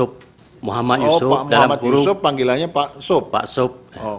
oh pak muhammad yusuf panggilannya pak sob